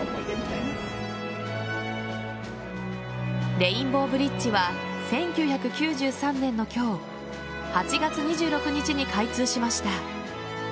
レインボーブリッジは１９９３年の今日８月２６日に開通しました。